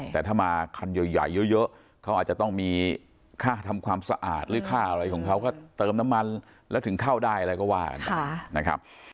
แต่ถ้ามาคันใหญ่เยอะเขาอาจจะต้องมีค่าทำความสะอาดหรือค่าอะไรของเขาก็เติมน้ำมันแล้วถึงเข้าได้อะไรก็ว่ากันนะครับ